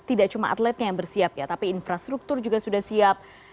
tidak cuma atletnya yang bersiap ya tapi infrastruktur juga sudah siap